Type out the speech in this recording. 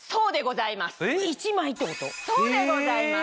そうでございます！